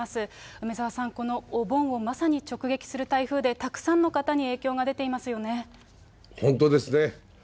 梅沢さん、このお盆をまさに直撃する台風で、たくさんの方に影響が出ています本当ですね。